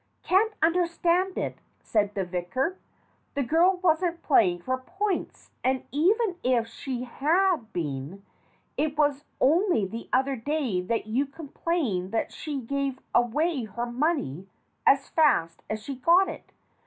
"Can't understand it," said the vicar. "The girl wasn't playing for points; and even if she had been, it was only the other day that you complained that she gave away her money as fast as she got it.